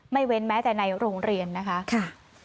เว้นแม้แต่ในโรงเรียนนะคะ